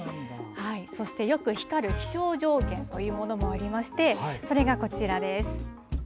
そしてよく光る気象条件というものもありましてそれがこちらです。